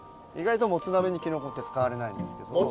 意外ともつ鍋にきのこって使われないんですけど。